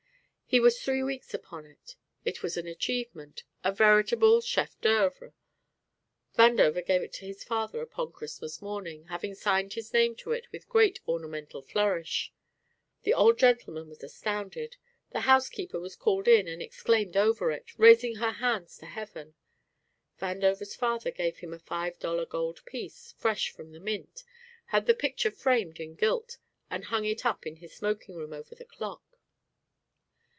"_ He was three weeks upon it. It was an achievement, a veritable chef d'oeuvre. Vandover gave it to his father upon Christmas morning, having signed his name to it with a great ornamental flourish. The Old Gentleman was astounded, the housekeeper was called in and exclaimed over it, raising her hands to Heaven. Vandover's father gave him a five dollar gold piece, fresh from the mint, had the picture framed in gilt and hung it up in his smoking room over the clock.